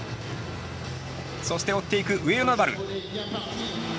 そして、追っていく上与那原。